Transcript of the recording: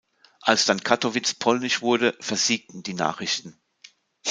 Als dann Kattowitz polnisch wurde, versiegten die Nachrichten.